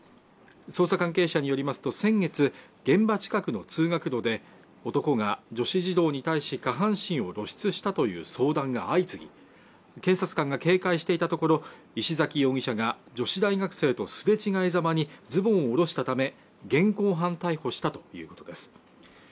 捜査関係者によりますと先月現場近くの通学路で男が女子児童に対し下半身を露出したという相談が相次ぎ警察官が警戒していたところ石崎容疑者が女子大学生とすれ違いざまにズボンを下ろしたため現行犯逮捕したということです